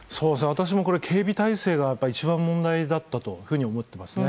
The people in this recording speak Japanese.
私は警備態勢が一番問題だったと考えています。